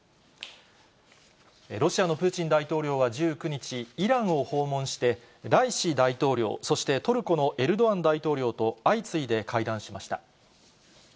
ロシアのプーチン大統領は１９日、イランを訪問して、ライシ大統領、そしてトルコのエルドアン大統領と相次いで会談しました。